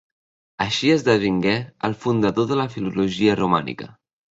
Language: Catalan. Així esdevingué el fundador de la filologia romànica.